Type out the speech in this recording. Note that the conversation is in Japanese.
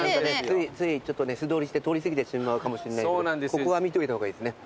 ついつい素通りして通り過ぎてしまうかもしれないんでここは見といた方がいいですね。